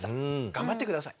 頑張って下さい。